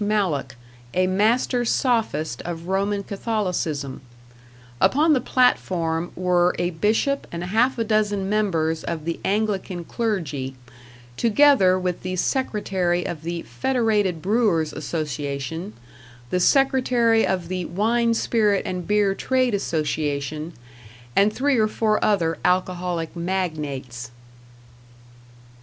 Mallock, a master sophist of Roman Catholicism; upon the platform were a bishop and half a dozen members of the Anglican clergy, together with the secretary of the Federated Brewers' Association, the Secretary of the Wine, Spirit, and Beer Trade Association, and three or four other alcoholic magnates.